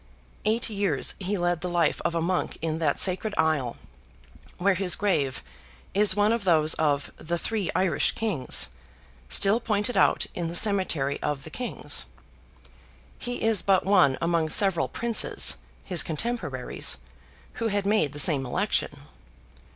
Eight years he led the life of a monk in that sacred Isle, where his grave is one of those of "the three Irish Kings," still pointed out in the cemetery of the Kings. He is but one among several Princes, his cotemporaries, who had made the same election.